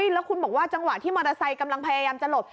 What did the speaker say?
แล้วคุณบอกว่าจังหวะที่มอเตอร์ไซค์กำลังพยายามจะหลบ